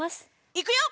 いくよ！